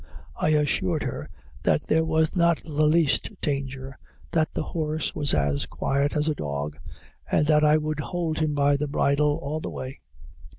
I assured her that there was not the least danger; that the horse was as quiet as a dog, and that I would hold him by the bridle all the way.